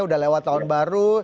sudah lewat tahun baru